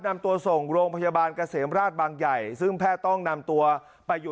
นำตัวส่งโรงพยาบาลเกษมราชบางใหญ่